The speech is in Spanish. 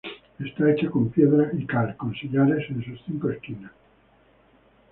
Está hecha con piedra y cal, con sillares en sus cinco esquinas.